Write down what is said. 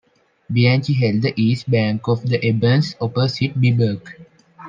Bianchi held the east bank of the Abens opposite Biburg.